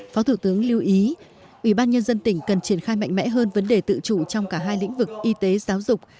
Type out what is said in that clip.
phó thủ tướng lưu ý ubnd tỉnh cần triển khai mạnh mẽ hơn vấn đề tự chủ trong cả hai lĩnh vực y tế giáo dục